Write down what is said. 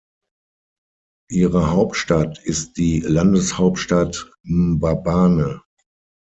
Ihre Hauptstadt ist die Landeshauptstadt Mbabane.